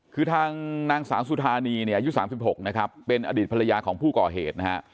คือทางนางสาวสุธานีเนี่ยอายุ๓๖นะครับเป็นอดีตภรรยาของผู้ก่อเหตุนะฮะ